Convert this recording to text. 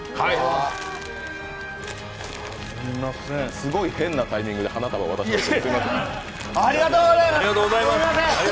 すごい変なタイミングで花束を渡しますが。